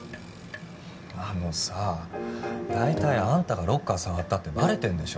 あのさ大体あんたがロッカー触ったってバレてんでしょ